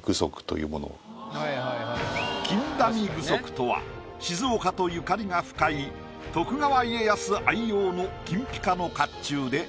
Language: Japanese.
金陀美具足とは静岡とゆかりが深い徳川家康愛用の金ピカの甲冑で。